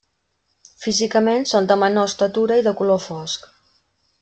Físicament són de menor estatura i de color fosc.